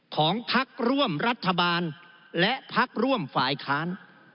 ของพักร่วมรัฐบาลและพักร่วมฝ่ายค้าน